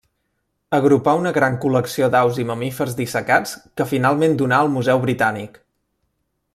Agrupà una gran col·lecció d'aus i mamífers dissecats que finalment donà al Museu Britànic.